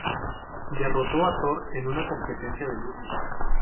Derrotó a Thor en una competencia de lucha.